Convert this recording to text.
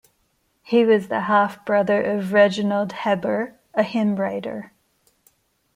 He was the half brother of Reginald Heber, a hymn writer.